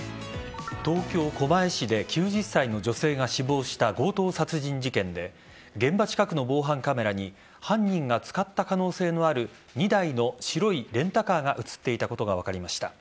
東京・狛江市で９０歳の女性が死亡した強盗殺人事件で現場近くの防犯カメラに犯人が使った可能性のある２台の白いレンタカーが映っていたことが分かりました。